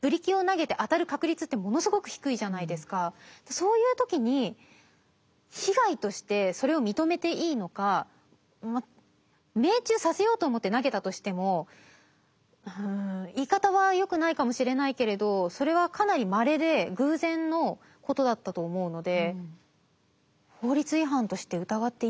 そういう時に被害としてそれを認めていいのか命中させようと思って投げたとしても言い方はよくないかもしれないけれどそれはかなりまれで個人的な意見としては客観的に思います。